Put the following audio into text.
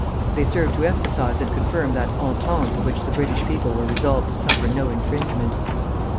They served to emphasise and confirm that entente of which the British people were resolved to suffer no infringement.